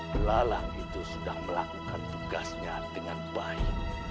belalang itu sudah melakukan tugasnya dengan baik